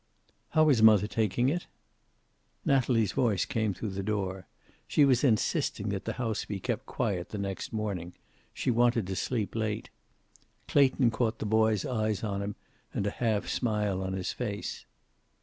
"How is mother taking it?" Natalie's voice came through the door. She was insisting that the house be kept quiet the next morning. She wanted to sleep late. Clayton caught the boy's eyes on him, and a half smile on his face.